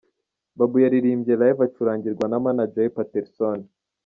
Babu yaririmbye live acurangirwa na manager we Paterson.